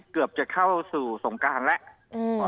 เกือบจะเข้าสู่สงการแล้ว